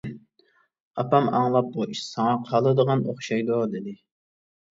ئاپام ئاڭلاپ، بۇ ئىش ساڭا قالىدىغان ئوخشايدۇ، دېدى.